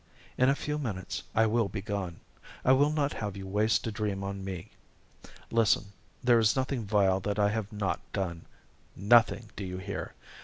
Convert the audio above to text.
In a few minutes I will be gone I will not have you waste a dream on me. Listen there is nothing vile that I have not done nothing, do you hear?